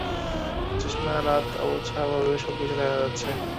জ্যোৎস্না রাত-আবছাভাবে সবকিছু দেখা যাচ্ছে।